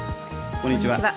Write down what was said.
こんにちは。